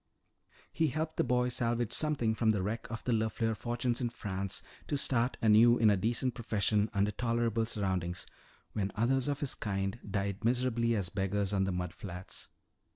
He helped the boy salvage something from the wreck of the LeFleur fortunes in France to start anew in a decent profession under tolerable surroundings, when others of his kind died miserably as beggars on the mud flats.